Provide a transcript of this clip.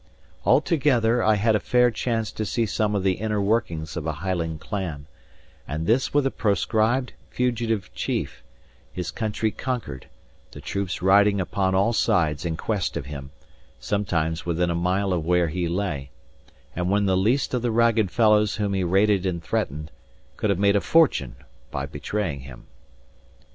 Altogether, I had a fair chance to see some of the inner workings of a Highland clan; and this with a proscribed, fugitive chief; his country conquered; the troops riding upon all sides in quest of him, sometimes within a mile of where he lay; and when the least of the ragged fellows whom he rated and threatened, could have made a fortune by betraying him.